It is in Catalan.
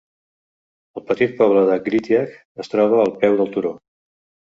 El petit poble de "Greetiagh" es troba al peu del turó.